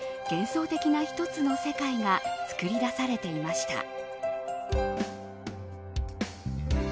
幻想的な一つの世界が作り出されていました。